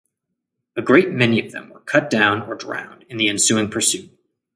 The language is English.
A great many of them were cut down or drowned in the ensuing pursuit.